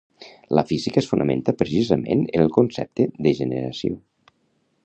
La física es fonamenta, precisament, en el concepte de generació.